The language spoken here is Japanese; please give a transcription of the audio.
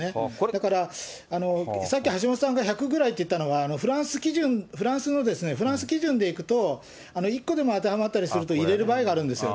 だから、さっき橋下さんが１００ぐらいって言ったのはフランスのフランス基準でいくと、１個でも当てはまったりすると、入れる場合があるんですよ。